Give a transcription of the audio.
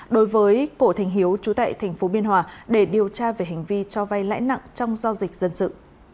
đối với cổ thành hiếu trú tại tp biên hòa để điều tra về hành vi cho vay lãi nặng trong giao dịch dân sự